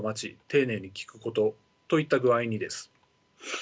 丁寧に聞くことといった具合にです。